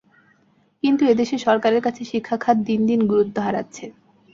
কিন্তু এ দেশের সরকারের কাছে শিক্ষা খাত দিন দিন গুরুত্ব হারাচ্ছে।